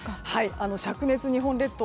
灼熱の日本列島